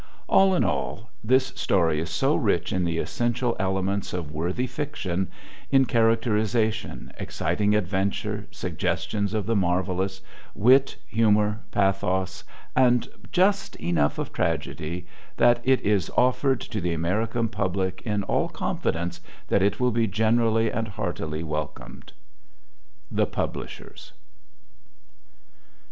All in all, this story is so rich in the essential elements of worthy fiction in characterization, exciting adventure, suggestions of the marvelous, wit, humor, pathos, and just enough of tragedy that it is offered to the American public in all confidence that it will be generally and heartily welcomed. THE PUBLISHERS.